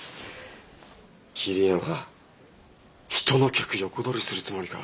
桐山人の客横取りするつもりか？